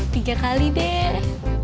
tiga kali deh